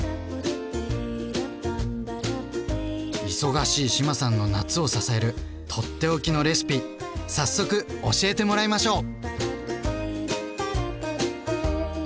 忙しい志麻さんの夏を支える取って置きのレシピ早速教えてもらいましょう！